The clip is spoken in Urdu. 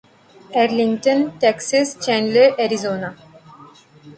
Arlington Texas Chandler Arizona